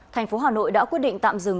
thành phố hà nội đã quyết định tạm dừng